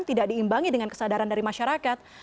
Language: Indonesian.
tidak diimbangi dengan kesadaran dari masyarakat